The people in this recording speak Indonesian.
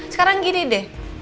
sekarang gini deh